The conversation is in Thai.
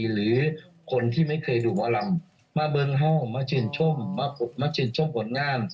หรือคนที่ไม่เคยดูหมอลำมาบนห้องมาชื่นชมมาชื่นชมผลงาน